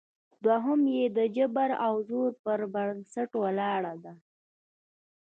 دوهمه یې د جبر او زور پر بنسټ ولاړه ده